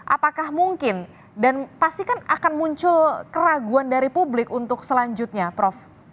apakah mungkin dan pastikan akan muncul keraguan dari publik untuk selanjutnya prof